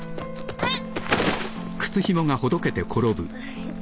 はい。